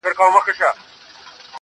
o ټوله نــــړۍ راپسي مه ږغوه.